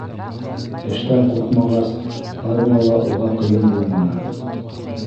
Эштән ҡурҡмағас, армияла уға ҡыйын булманы.